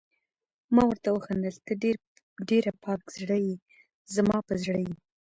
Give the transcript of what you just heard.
ما ورته وخندل: ته ډېره پاک زړه يې، زما په زړه یې.